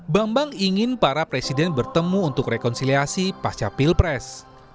bambang ingin para presiden bertemu untuk rekonsiliasi pasca pilpres